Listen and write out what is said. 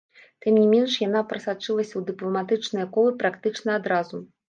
Тым не менш, яна прасачылася ў дыпламатычныя колы практычна адразу.